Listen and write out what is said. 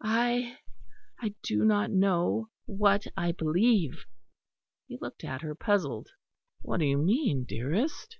I I do not know what I believe." He looked at her, puzzled. "What do you mean, dearest?'